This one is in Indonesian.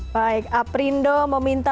baik aprindo meminta